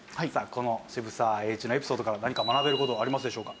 この渋沢栄一のエピソードから何か学べる事はありますでしょうか？